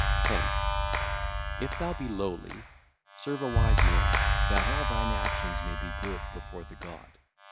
10. If thou be lowly, serve a wise man, that all thine actions may be good before the God.